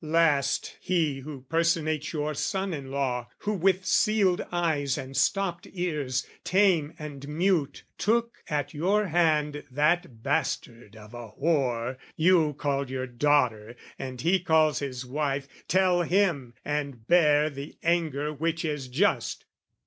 "Last, he who personates your son in law, "Who with sealed eyes and stopped ears, tame and mute, "Took at your hand that bastard of a whore "You called your daughter and he calls his wife, "Tell him, and bear the anger which is just!